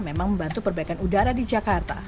memang membantu perbaikan udara di jakarta